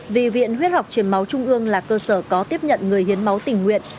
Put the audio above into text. vì viện huyết học truyền máu trung ương là cơ sở có tiếp nhận người hiến máu tình nguyện